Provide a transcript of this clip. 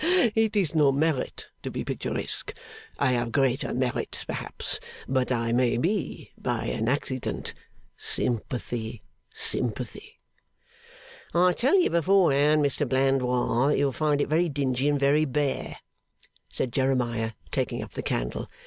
It is no merit to be picturesque I have greater merits, perhaps but I may be, by an accident. Sympathy, sympathy!' 'I tell you beforehand, Mr Blandois, that you'll find it very dingy and very bare,' said Jeremiah, taking up the candle.